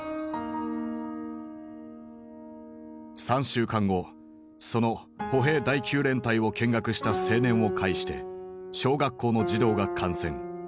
３週間後その歩兵第９連隊を見学した青年を介して小学校の児童が感染。